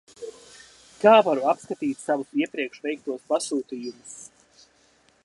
Kā varu apskatīt savus iepriekš veiktos pasūtījumus?